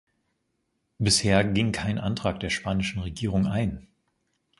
Bisher ging kein Antrag der spanischen Regierung ein.